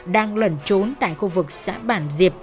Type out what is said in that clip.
đang lẩn trốn tại khu vực xã bản diệp